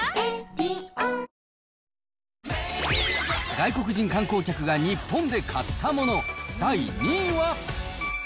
外国人観光客が日本で買ったもの、第２位は。